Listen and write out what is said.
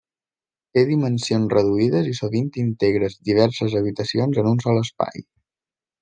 Té dimensions reduïdes i sovint integra diverses habitacions en un sol espai.